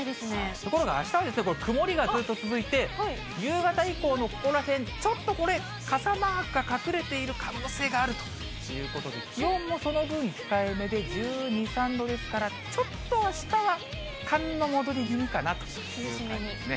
ところがあしたは曇りがずーっと続いて、夕方以降のここら辺、ちょっとこれ、傘マークが隠れている可能性があるということで、気温もその分、控えめで１２、３度ですから、ちょっとあしたは寒の戻り気味かなという感じですね。